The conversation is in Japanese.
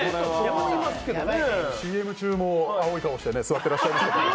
ＣＭ中も青い顔して座ってらっしゃいましたよね。